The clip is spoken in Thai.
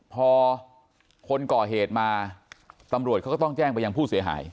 พอคนก่อเหตุมาตำรวจเขาก็ต้องแจ้งไปยังผู้เสียหาย